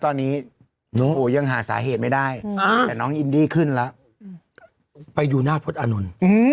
ตอนนี้ยังหาสาเหตุไม่ได้แต่น้องอินดี้ขึ้นแล้วไปดูหน้าพลตอานนท์